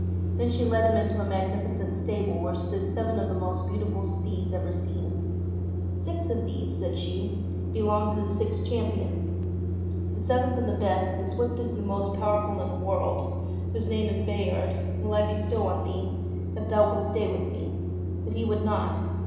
Then she led him into a magnificent stable where stood seven of the most beautiful steeds ever seen. "Six of these," said she, "belong to the six Champions. The seventh and the best, the swiftest and the most powerful in the world, ST. GEORGE OF MERRIE ENGLAND 3 whose name is Bayard, will I bestow on thee, if thou wilt stay with me." But he would not.